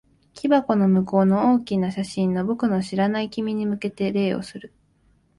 木箱の向こうの大きな写真の、僕の知らない君に向けて礼をする。